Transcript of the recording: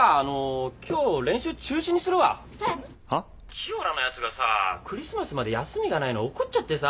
☎清良のヤツがさクリスマスまで休みがないの怒っちゃってさ。